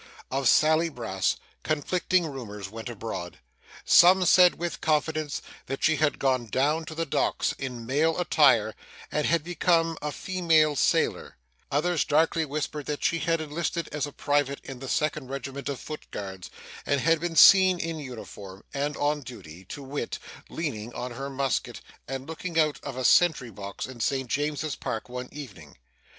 Of Sally Brass, conflicting rumours went abroad. Some said with confidence that she had gone down to the docks in male attire, and had become a female sailor; others darkly whispered that she had enlisted as a private in the second regiment of Foot Guards, and had been seen in uniform, and on duty, to wit, leaning on her musket and looking out of a sentry box in St James's Park, one evening.